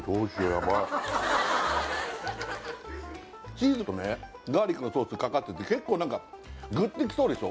チーズとねガーリックのソースかかってて結構何かグッてきそうでしょ？